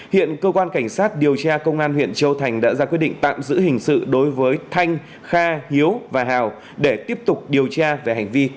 hiện cơ quan cảnh sát điều tra công an huyện châu thành đã ra quyết định tạm giữ hình sự đối với thanh kha hiếu và hào để tiếp tục điều tra về hành vi